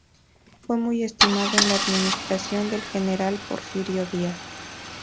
Fue muy estimado en la administración del general Porfirio Díaz.